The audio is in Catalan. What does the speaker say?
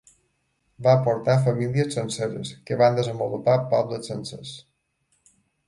Va portar famílies senceres, que van desenvolupar pobles sencers.